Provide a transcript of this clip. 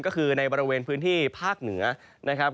ก็คือในบริเวณพื้นที่ภาคเหนือนะครับ